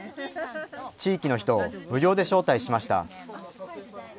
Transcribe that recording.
地域の人を無料で招待しました。